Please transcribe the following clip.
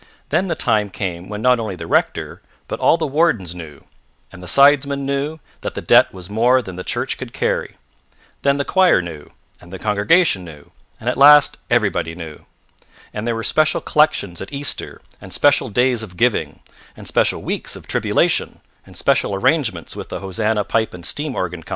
Then the time came when not only the rector, but all the wardens knew and the sidesmen knew that the debt was more than the church could carry; then the choir knew and the congregation knew and at last everybody knew; and there were special collections at Easter and special days of giving, and special weeks of tribulation, and special arrangements with the Hosanna Pipe and Steam Organ Co.